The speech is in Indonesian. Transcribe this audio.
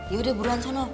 yaudah buruan sono